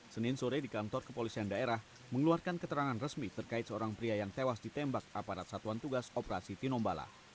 senin sore di kantor kepolisian daerah mengeluarkan keterangan resmi terkait seorang pria yang tewas ditembak aparat satuan tugas operasi tinombala